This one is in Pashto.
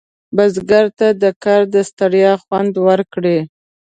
بزګر ته د کار د ستړیا خوند ورکړي